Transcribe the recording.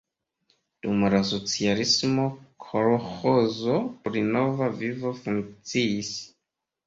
Dum la socialismo kolĥozo pri Nova Vivo funkciis.